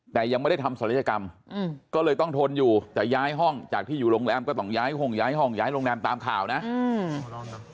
แต่ยังไม่ได้ทำศัลยกรรมอืมก็เลยต้องทนอยู่แต่ย้ายห้องจากที่อยู่โรงแรมก็ต้องย้ายห้องย้ายห้องย้ายโรงแรมตามข่าวนะอืม